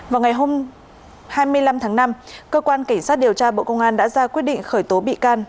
vào ngày hôm hai mươi năm tháng năm cơ quan cảnh sát điều tra bộ công an đã ra quyết định khởi tố bị can